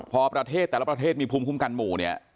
พอประเทศแต่ละประเทศมีภูมิคุ้มกันหมู่เนี่ย